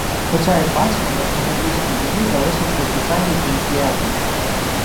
Хоча, як бачимо, на споконвічній землі залишився звичайний фінський етнос